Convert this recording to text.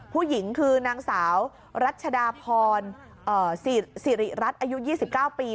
ผู้หญิงคือนางสาวรัชดาพรสิริรัตน์อายุ๒๙ปี